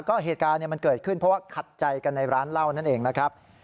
ก็เหตุการณ์มันเกิดขึ้นเพราะว่าขัดใจกันในร้านเหล้านั่นเองนะครับ